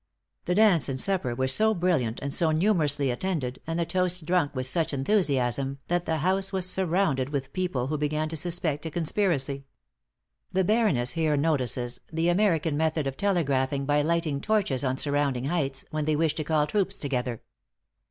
The dance and supper were so brilliant, and so numerously attended, and the toasts drunk with such enthusiasm, that the house was surrounded with people, who began to suspect a conspiracy. The Baroness here notices the American method of telegraphing by lighting torches on surrounding heights, when they wished to call troops together.